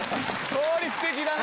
効率的だな。